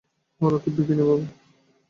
বল কী বিপিনবাবু?